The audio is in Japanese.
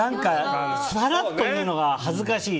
サラッと言うのが恥ずかしい。